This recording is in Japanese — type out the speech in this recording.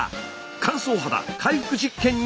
乾燥肌回復実験に挑戦！